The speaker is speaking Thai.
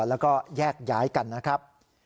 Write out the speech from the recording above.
แล้วก็แยกย้ายกันนะครับ